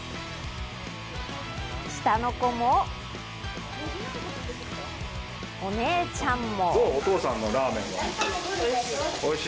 下の子も、お姉ちゃんも。